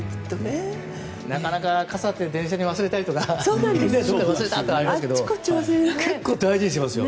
なかなか傘って電車に忘れたりとかありますけど結構、大事にしますよ。